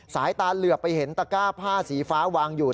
สายตาเหลือไปเห็นตะก้าผ้าสีฟ้าวางอยู่